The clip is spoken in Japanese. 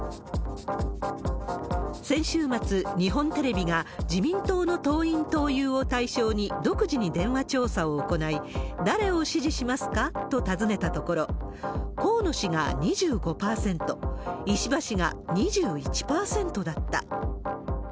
先週末、日本テレビが自民党の党員・党友を対象に、独自に電話調査を行い、誰を支持しますか？と尋ねたところ、河野氏が２５％、石破氏が２１％だった。